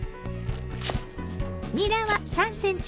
にらは３ｃｍ